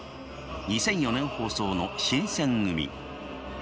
２００４年放送の「新選組！」。